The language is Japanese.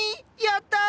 やった！